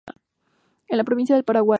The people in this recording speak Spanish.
En la Provincia del Paraguay.